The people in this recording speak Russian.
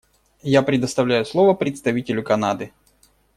Я предоставляю слово представителю Канады.